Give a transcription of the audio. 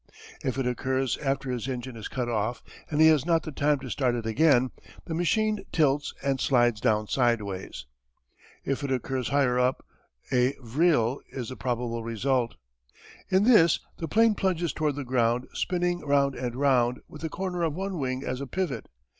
If it occurs after his engine is cut off and he has not the time to start it again, the machine tilts and slides down sideways. If it occurs higher up a vrille is the probable result. In this the plane plunges toward the ground spinning round and round with the corner of one wing as a pivot.